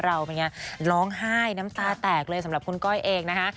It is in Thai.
เราเป็นไงร้องไห้น้ำตาแตกเลยสำหรับคุณก้อยเองนะคะ